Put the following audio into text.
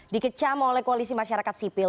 dikecam oleh koalisi masyarakat sipil